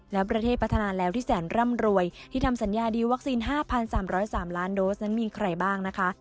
และประเทศพัฒนาแล้วที่แสนร่ำรวยที่ทำสัญญาดีลวัคซีน๕๓๐๓ล้านโดสนั้นมีใครบ้างนะคะ